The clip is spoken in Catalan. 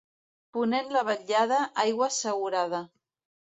Ponent de vetllada, aigua assegurada.